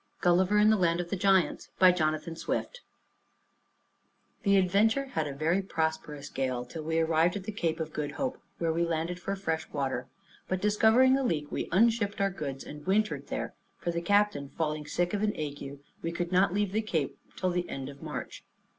GULLIVER IN THE LAND OF THE GIANTS By Jonathan Swift The Adventure had a very prosperous gale, till we arrived at the Cape of Good Hope, where we landed for fresh water; but discovering a leak, we unshipped our goods, and wintered there; for the captain falling sick of an ague, we could not leave the Cape till the end of March.